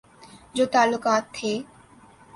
جو تعلقات تھے۔